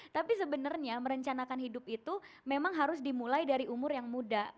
tapi sebenarnya merencanakan hidup itu memang harus dimulai dari umur yang muda